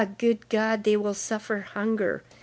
good God, they will suffer hunger!